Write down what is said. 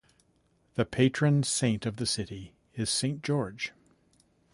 The patron saint of the city is Saint George.